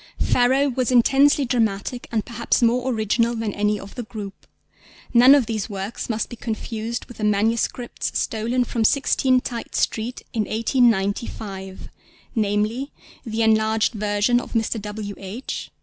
Pharaoh was intensely dramatic and perhaps more original than any of the group. None of these works must be confused with the manuscripts stolen from 16 Tite Street in 1895—namely, the enlarged version of _Mr. W. H.